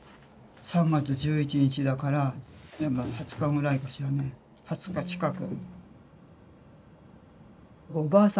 ３月１１日だからやっぱ２０日ぐらいかしらね２０日近く。